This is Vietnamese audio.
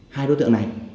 hai đối tượng này